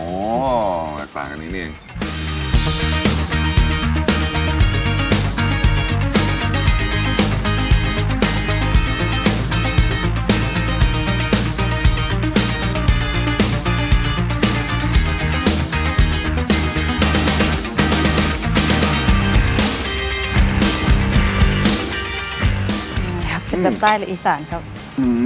เผ็ดแบบใต้หรืออีซานครับอ๋อต่างกันอย่างนี้เองไม่ว่าเป็นสวัสดิต้มยำที่แบบรสชาติจัดจ้านจริง